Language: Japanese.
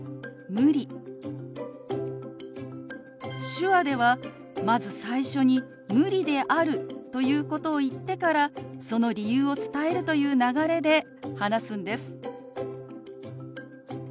手話ではまず最初に「無理である」ということを言ってからその理由を伝えるという流れで話すんです。